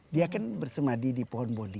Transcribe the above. dia kan bersemadi di pohon bodi